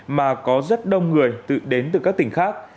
mà có rất đông người đến từ các tỉnh khác